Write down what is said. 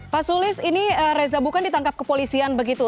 pak sulis ini reza bukan ditangkap kepolisian begitu